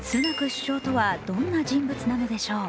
首相とはどんな人物なのでしょう。